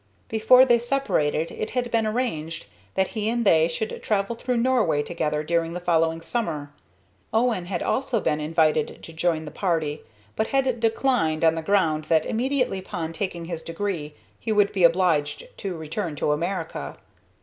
Before they separated it had been arranged that he and they should travel through Norway together during the following summer. Owen had also been invited to join the party, but had declined on the ground that immediately upon taking his degree he would be obliged to return to America.